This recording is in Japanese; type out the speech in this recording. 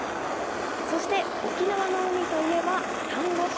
そして沖縄の海といえばサンゴ礁。